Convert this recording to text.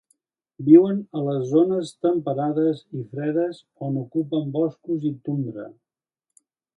Viuen a les zones temperades i fredes, on ocupen boscos i tundra.